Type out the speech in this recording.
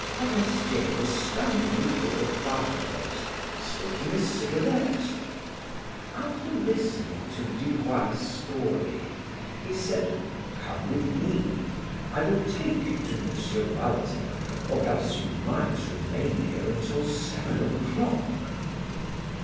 Forestier was standing before the fireplace, smoking a cigarette. After listening to Duroy's story he said: "Come with me; I will take you to M. Walter, or else you might remain here until seven o'clock."